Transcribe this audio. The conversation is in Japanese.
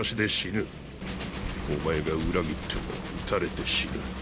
お前が裏切っても撃たれて死ぬ。